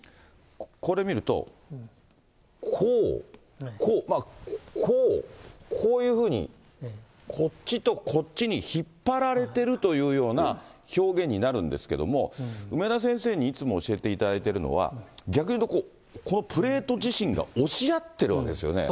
これ見ると、こう、こう、まあ、こう、こういうふうに、こっちとこっちに引っ張られてるというような表現になるんですけども、梅田先生にいつも教えていただいてるのは、逆に言うとこう、このプレート自身が押し合ってるわけですよね。